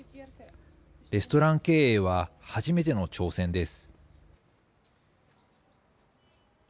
レストラン経営は初めての挑戦です。